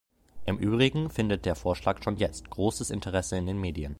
Im Übrigen findet der Vorschlag schon jetzt großes Interesse in den Medien.